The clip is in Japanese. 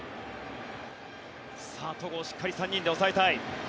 さあ、戸郷しっかり３人で抑えたい。